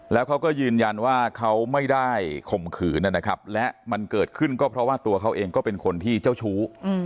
แล้วเขาก็ยืนยันว่าเขาไม่ได้ข่มขืนนะครับและมันเกิดขึ้นก็เพราะว่าตัวเขาเองก็เป็นคนที่เจ้าชู้